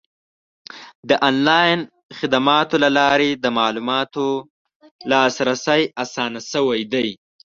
د آنلاین خدماتو له لارې د معلوماتو ته لاسرسی اسان شوی دی.